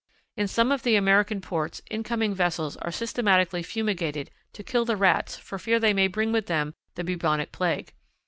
In some of the American ports incoming vessels are systematically fumigated to kill the rats for fear they may bring with them the bubonic plague.